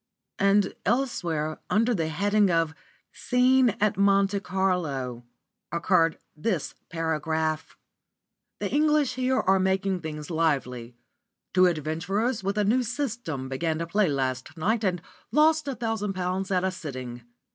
And elsewhere, under the heading of "Scene at Monte Carlo," occurred this paragraph: "The English here are making things lively. Two adventurers with a new 'system' began to play last night and lost a thousand pounds at a sitting.